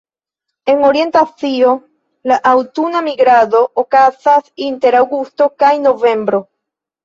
En orienta Azio, la aŭtuna migrado okazas inter aŭgusto kaj novembro.